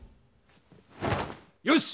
よし！